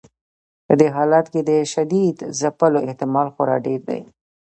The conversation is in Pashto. په دې حالت کې د شدید ځپلو احتمال خورا ډیر دی.